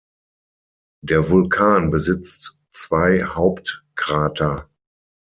Der Vulkan besitzt zwei Hauptkrater.